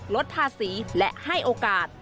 ลดภาษีและให้โอกาส